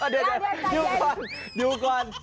เดี๋ยวอยู่ก่อนอยู่ก่อน